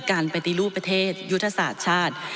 ปฏิรูปประเทศยุทธศาสตร์ชาติ